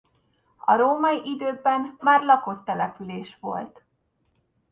A római időkben már lakott település volt.